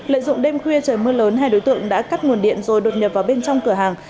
lợi dụng đêm khuya trời mưa lớn hai đối tượng đã cắt nguồn điện rồi đột nhập vào bên trong cửa hàng